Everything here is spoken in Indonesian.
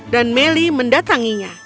dan melly mendatanginya